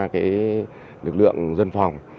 cái lực lượng dân phòng